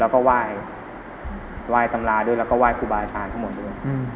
แล้วก็ไหว้สำระด้วยแล้วก็วไหว้ครูบายสรานทัวร์หมดด้วยอืม